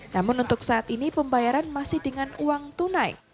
namun untuk saat ini pembayaran masih dengan uang tunai